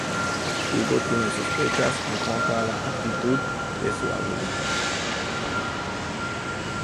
Hugo tiene sospechas en cuanto a la actitud de su amigo.